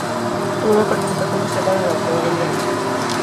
Tuvo una participación destacada en la batalla del Ebro.